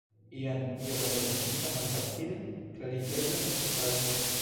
Jen iomete komplika malfacile klarigebla necesaĵo.